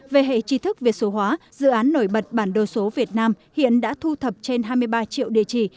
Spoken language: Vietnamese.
về hệ trí thức việt số hóa dự án nổi bật bản đồ số việt nam hiện đã thu thập trên hai mươi ba triệu địa chỉ